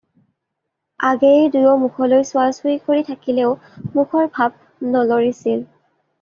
আগেয়ে দুয়ো মুখলৈ চোৱা-চুই কৰি থাকিলেও মুখৰ ভাৱ নলৰিছিল।